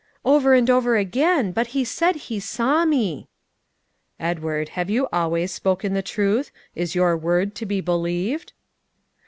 "Over and over again, but he said he saw me." "Edward, have you always spoken the truth? Is your word to be believed?"